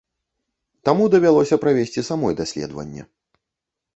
Таму давялося правесці самой даследаванне.